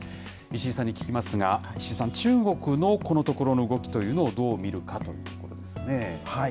石井さんに聞きますが、石井さん、中国のこのところの動きというのをどう見るかということですね。